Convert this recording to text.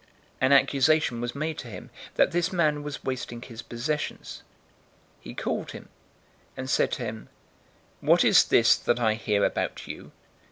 An accusation was made to him that this man was wasting his possessions. 016:002 He called him, and said to him, 'What is this that I hear about you?